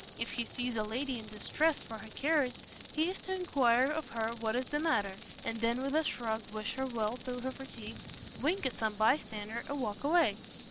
If he sees a lady in distress for her carriage, he is to enquire of her what is the matter, and then, with a shrug, wish her well through her fatigues, wink at some bye stander, and walk away.